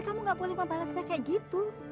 kamu gak boleh membalasnya kayak gitu